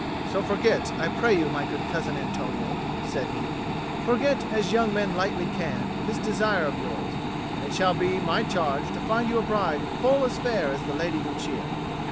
"So forget, I pray you, my good cousin Antonio," said he, "forget, as young men lightly can, this desire of yours, and it shall be my charge to find you a bride full as fair as the Lady Lucia."